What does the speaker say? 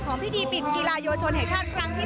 ของพิธีปิดกีฬาโยชนเหตุชาติครั้งที่๓๒